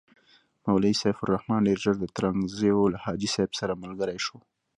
مولوي سیف الرحمن ډېر ژر د ترنګزیو له حاجي صاحب سره ملګری شو.